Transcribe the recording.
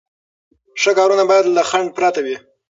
ښه کارونه باید له خنډ پرته وي.